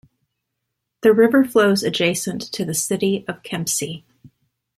The river flows adjacent to the city of Kempsey.